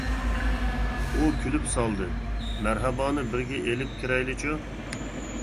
ئۇ كۈلۈپ سالدى:-مەرھابانى بىرگە ئېلىپ كىرەيلىچۇ!